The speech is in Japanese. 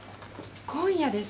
今夜ですか。